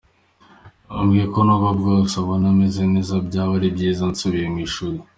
Yambwiye ko nubwo bwose abona meze neza, byaba ari byiza nsubiye mu ishuli.